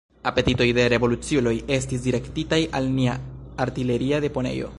Apetitoj de revoluciuloj estis direktitaj al nia artileria deponejo.